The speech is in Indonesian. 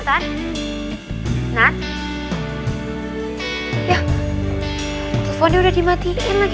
guechatkala mau kan kerjain ceritanya onu satu kalo aja ke tempat lo mah